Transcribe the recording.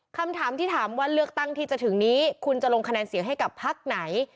คำถามที่ถามว่าเลือกตั้งที่จะถึงนี้คุณจะลงคะแนนเสียงให้กับพักไหน